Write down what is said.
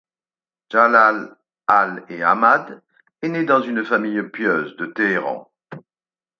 Jalal Al-e-Ahmad est né dans une famille pieuse de Téhéran.